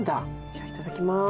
じゃあいただきます。